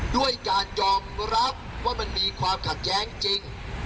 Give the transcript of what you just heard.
ด้วยการยอมรับว่ามันมีความขัดแย้งจริง